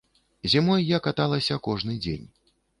Зімой я каталася кожны дзень.